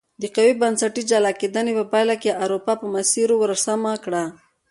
د قوي بنسټي جلا کېدنې په پایله کې اروپا په مسیر ور سمه کړه.